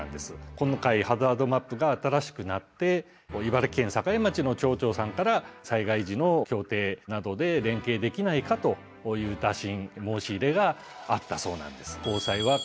今回ハザードマップが新しくなって茨城県境町の町長さんから災害時の協定などで連携できないかという打診申し入れがあったそうなんです。